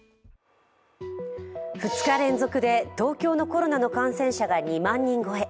２日連続で東京のコロナの感染者が２万人超え。